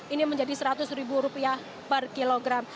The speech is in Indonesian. ini menjadi rp seratus per kilogram